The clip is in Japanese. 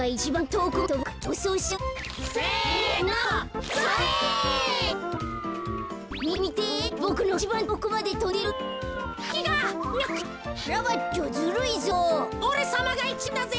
おれさまがいちばんだぜ。